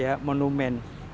jadi monumen pertama